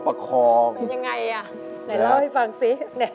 เป็นยังไงอ่ะไหนเล่าให้ฟังสิ